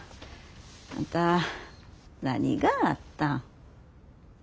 あんた何があったん？